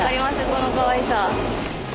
このかわいさ。